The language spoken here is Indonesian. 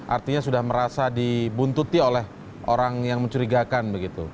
artinya sudah merasa dibuntuti oleh orang yang mencurigakan begitu